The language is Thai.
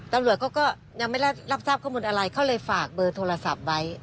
ตำรวจเขาก็ยังไม่ได้รับทราบข้อมูลอะไรเขาเลยฝากเบอร์โทรศัพท์ไว้